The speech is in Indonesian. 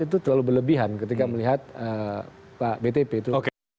itu terlalu berlebihan ketika melihat pak btp itu